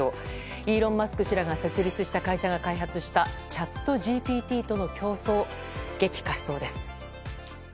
イーロン・マスク氏らが設立した会社が開発したチャットＧＰＴとの競争激化しそうです。